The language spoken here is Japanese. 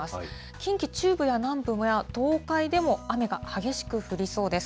近畿中部や南部や東海でも、雨が激しく降りそうです。